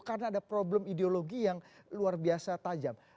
karena ada problem ideologi yang luar biasa tajam